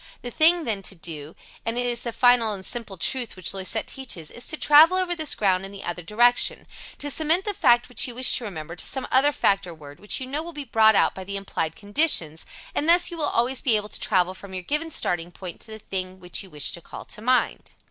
The thing, then, to do and it is the final and simple truth which Loisette teaches is to travel over this ground in the other direction to cement the fact which you wish to remember to some other fact or word which you know will be brought out by the implied conditions and thus you will always be able to travel from your given starting point to the thing which you wish to call to mind.